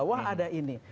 wah ada ini